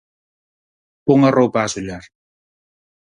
Pon a roupa a asollar